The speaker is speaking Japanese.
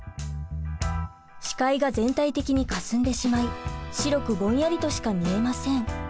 視界が全体的にかすんでしまい白くぼんやりとしか見えません。